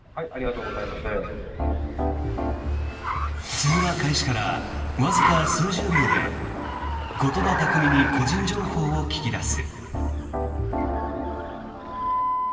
通話開始からわずか数十秒で言葉巧みに個人情報を聞き出す。